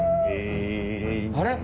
あれ？